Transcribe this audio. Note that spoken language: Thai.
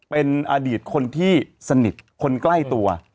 เป็นอดีตคนที่สนิทคนใกล้ตัว